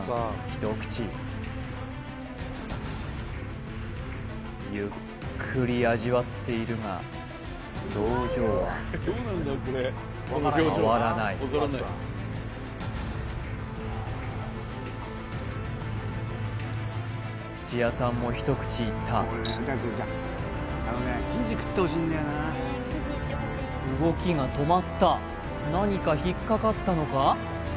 一口ゆっくり味わっているが表情は変わらない土屋さんも一口いった動きが止まった何か引っかかったのか？